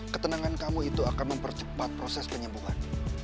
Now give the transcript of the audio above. ketenangan kamu itu akan mempercepat proses penyembuhan